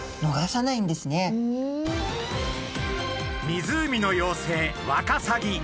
湖の妖精ワカサギ。